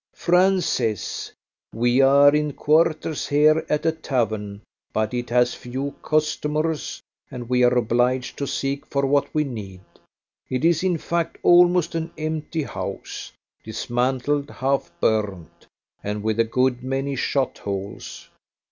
"Franz says: 'We are in quarters here at a tavern, but it has few customers, and we are obliged to seek for what we need. It is, in fact, almost an empty house, dismantled, half burnt, and with a good many shot holes.